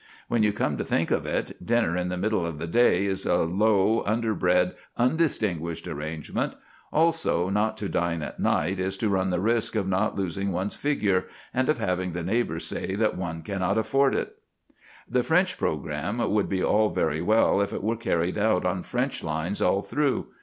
When you come to think of it, dinner in the middle of the day is a low, under bred, undistinguished arrangement; also not to dine at night is to run the risk of not losing one's figure, and of having the neighbours say that one cannot afford it. The French programme would be all very well if it were carried out on French lines all through.